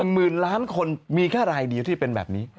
หมื่นล้านคนมีแค่รายเดียวที่เป็นแบบนี้